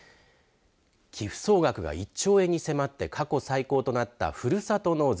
寄付総額が１兆円に迫って過去最高となったふるさと納税。